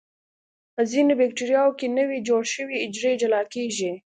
په ځینو بکټریاوو کې نوي جوړ شوي حجرې جلا کیږي.